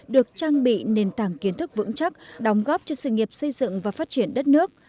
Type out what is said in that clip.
được trang bị nền tảng kiến thức vững chắc đóng góp cho sự nghiệp xây dựng và phát triển đất nước